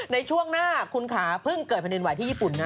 ในช่วงหน้าคุณขาเพิ่งเกิดแผ่นดินไหวที่ญี่ปุ่นนะ